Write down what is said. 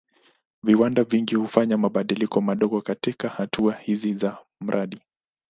Viwanda vingi hufanya mabadiliko madogo katika hatua hizi za mradi.